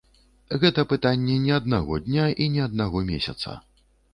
Гэта пытанне не аднаго дня і не аднаго месяца.